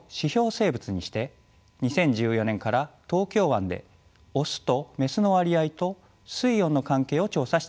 生物にして２０１４年から東京湾でオスとメスの割合と水温の関係を調査しています。